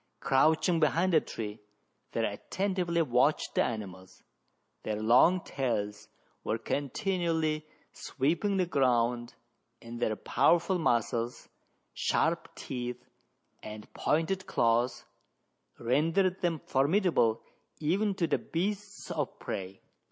Crouch ing behind a tree, they attentively watched the animals, Their long tails were continually sweeping the ground, and their powerful muscles, sharp teeth, and pointed claws, rendered them formidable even to the beasts of prey.